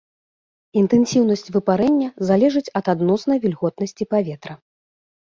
Інтэнсіўнасць выпарэння залежыць ад адноснай вільготнасці паветра.